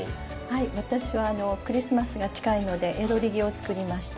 はい私はあのクリスマスが近いので「ヤドリギ」を作りました。